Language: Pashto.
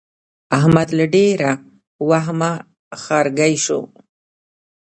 احمد له ډېره وهمه ښارګی شو.